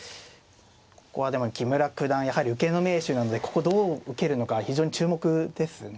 ここはでも木村九段やはり受けの名手なのでここどう受けるのか非常に注目ですね。